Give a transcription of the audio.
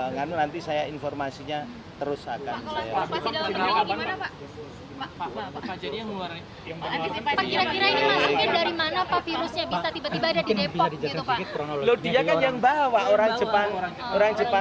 nah nanti kita akan tanyakan lebih lanjut ke si jepang itu